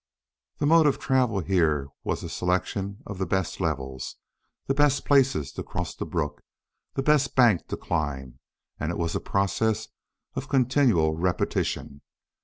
The mode of travel here was a selection of the best levels, the best places to cross the brook, the best banks to climb, and it was a process of continual repetition.